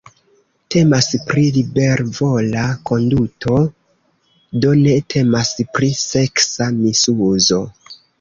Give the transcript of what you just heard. Temas pri libervola konduto, do ne temas pri seksa misuzo.